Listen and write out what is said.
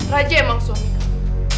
raja emang suami kamu